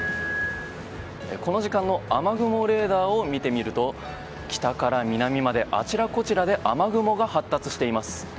この時間の雨雲レーダーを見てみると北から南まであちらこちらで雨雲が発達しています。